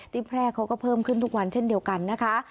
แพร่เขาก็เพิ่มขึ้นทุกวันเช่นเดียวกันนะคะ